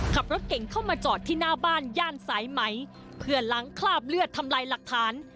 ขับรถเก่งเข้ามาจอดที่หน้าบ้านย่านสายไหมเพื่อล้างคราบเลือดทำลายหลักฐาน